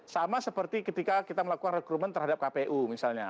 sama seperti ketika kita melakukan rekrumen terhadap kpu misalnya